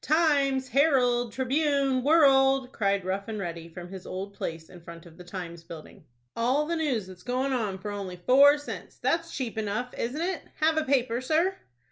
"'Times,' 'Herald,' 'Tribune,' 'World'!" cried Rough and Ready, from his old place in front of the "Times" building. "All the news that's going, for only four cents! That's cheap enough, isn't it? Have a paper, sir?"